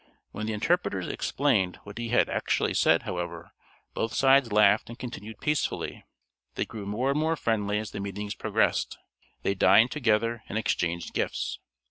When the interpreters explained what he had actually said, however, both sides laughed and continued peacefully. They grew more and more friendly as the meetings progressed. They dined together and exchanged gifts.